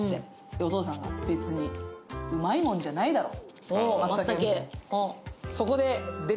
お父さんが、別にうまいもんじゃないだろう。